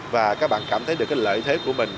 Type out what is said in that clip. và các bạn cảm thấy được cái lợi thế của mình